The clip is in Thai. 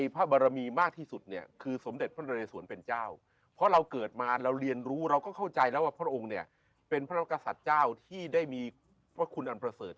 พระเจ้าที่ได้มีพระคุณอันประเสริฐ